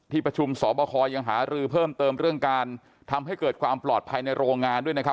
ประชุมสอบคอยังหารือเพิ่มเติมเรื่องการทำให้เกิดความปลอดภัยในโรงงานด้วยนะครับ